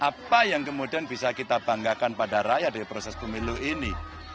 apa yang kemudian bisa kita banggakan pada rakyat dari proses pemilu ini